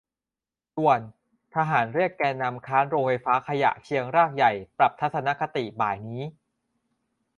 ด่วน ! ทหารเรียกแกนนำค้านโรงไฟฟ้าขยะเชียงรากใหญ่ปรับทัศนคติบ่ายนี้